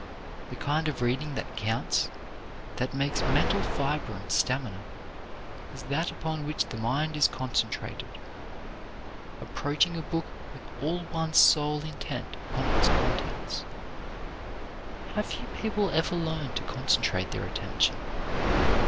The kind of reading that counts, that makes mental fiber and stamina is that upon which the mind is concentrated; approaching a book with all one's soul intent upon its contents. How few people ever learn to concentrate their attention.